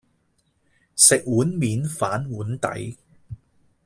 食碗麵反碗底